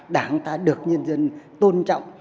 đảng ta được nhân dân tôn trọng